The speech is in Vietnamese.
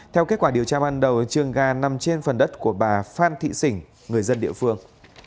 theo kết quả điều tra ban đầu trường gà nằm trên phần đất của bà phan thị sỉnh người dân địa phương